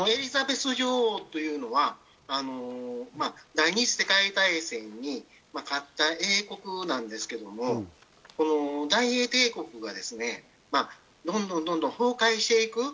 エリザベス女王というのは第ニ次世界大戦に勝ったイギリス、英国なんですけれども大英帝国がどんどん崩壊していく。